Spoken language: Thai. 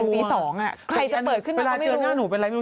เวลาเจอกับหนูเป็นไรไม่รู้